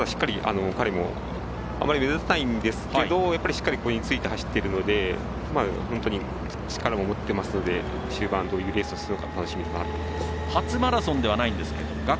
まだしっかり、彼もあまり目立たないんですけどしっかり走っているので本当に力を持っていますので終盤どういうレースをするか楽しみになります。